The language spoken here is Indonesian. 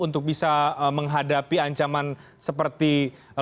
untuk bisa menghadapi ancaman seperti